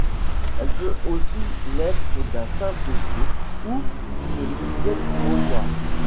Elle peut aussi n'être qu'un simple seau ou une musette-mangeoire.